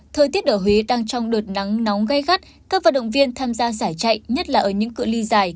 thời tiết ở huế đang trong đột nắng nóng gây gắt các vận động viên tham gia giải chạy nhất là ở những cửa ly dài